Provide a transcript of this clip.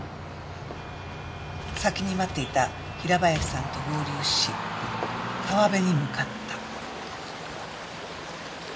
先に待っていた平林さんと合流し川辺に向かった。